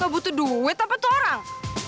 butuh duit apa tuh orang